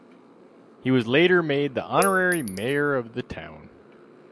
He was later made the honorary mayor of the town.